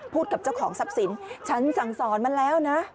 กับเจ้าของทรัพย์สินฉันสั่งสอนมาแล้วนะ